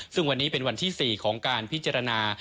ซึ่งวันนี้เป็นวันที่๔ของการพิจารณา